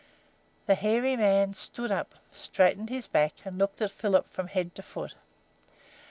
The hairy man stood up, straightened his back, and looked at Philip from head to foot.